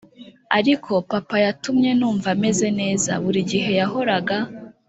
ariko papa yatumye numva meze neza, burigihe yahoraga.